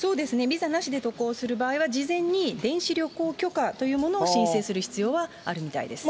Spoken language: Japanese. ビザなしで渡航する場合は、事前に電子旅行許可というものを申請する必要はあるみたいです。